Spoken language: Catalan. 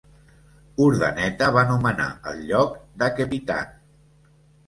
Urdaneta va nomenar el lloc Daquepitan.